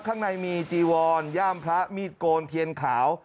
ข้างในมีจีวรย่ามพระมีดโกนเทียนขาว